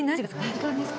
時間ですか？